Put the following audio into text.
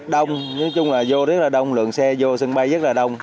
đông nói chung là vô rất là đông lượng xe vô sân bay rất là đông